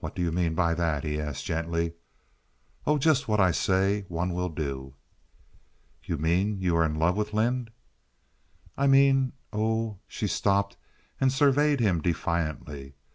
"What do you mean by that?" he asked, gently. "Oh, just what I say. One will do." "You mean you are in love with Lynde?" "I mean—oh!" She stopped and surveyed him defiantly.